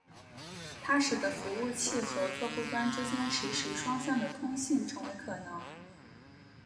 它使得服务器和客户端之间实时双向的通信成为可能。